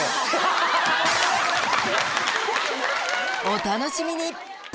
お楽しみに！